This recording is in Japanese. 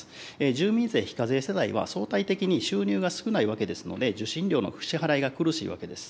住民税非課税世帯は、相対的に収入が少ないわけですので、受信料の支払いが苦しいわけです。